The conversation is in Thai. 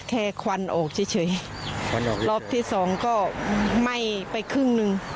แค่ควันอกเฉยเฉยควันออกเฉยรอบที่สองก็ไหมไปครึ่งนึง